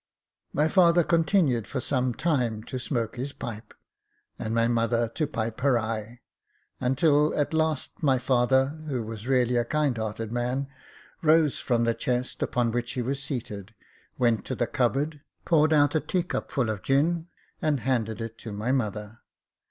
My father continued for some time to smoke his pipe, and my mother to pipe her eye, until at last my father, who was really a kind hearted man, rose from the chest upon which he was seated, went to the cupboard, poured 6 Jacob Faithful out a teacnpful of gin, and handed It to my mother.